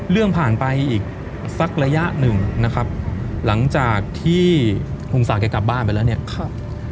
เรื่องผ่านไปอีกสักระยะหนึ่งนะครับหลังจากที่ลุงศักดิ์กลับบ้านไปแล้วเนี่ยครับ